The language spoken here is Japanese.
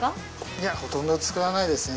いやほとんど作らないですね。